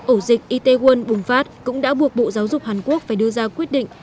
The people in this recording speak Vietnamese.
ổ dịch itaewon bùng phát cũng đã buộc bộ giáo dục hàn quốc phải đưa ra quyết định